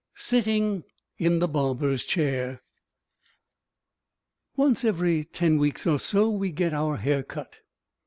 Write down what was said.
SITTING IN THE BARBER'S CHAIR Once every ten weeks or so we get our hair cut.